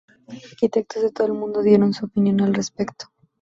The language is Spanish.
Arquitectos de todo el mundo dieron su opinión al respecto.